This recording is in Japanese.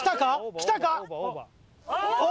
来たか⁉お！